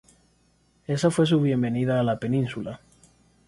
Esa fue su bienvenida a la península.